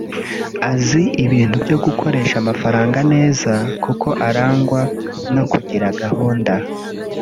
azi ibintu byo gukoresha amafaranga neza kuko arangwa no kugira gahunda